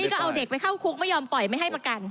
ก็เอาเด็กไปเข้าคุกไม่ยอมปล่อยไม่ให้ประกัน